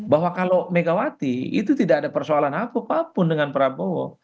bahwa kalau megawati itu tidak ada persoalan apapun dengan prabowo